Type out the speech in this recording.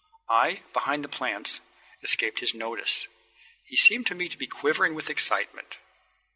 I, behind the plants, escaped his notice. He seemed to me to be quivering with excitement.